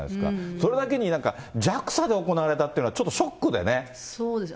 それだけに、なんかＪＡＸＡで行われたってのがちょっとショックでね。